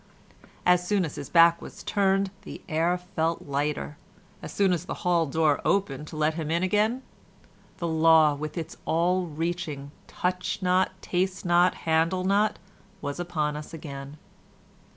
As soon as his back was turned the air felt lighter; as soon as the hall door opened to let him in again, the law with its all reaching 'touch not, taste not, handle not' was upon us again.